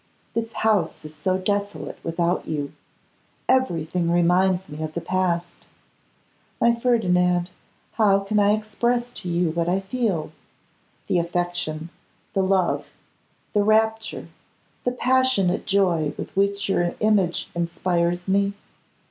This house is so desolate without you. Everything reminds me of the past. My Ferdinand, how can I express to you what I feel the affection, the love, the rapture, the passionate joy, with which your image inspires me?